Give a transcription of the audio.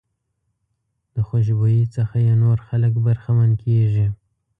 د خوشبويۍ څخه یې نور خلک برخمن کېږي.